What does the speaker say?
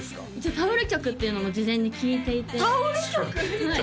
「タオル曲」っていうのも事前に聞いていてタオル曲！？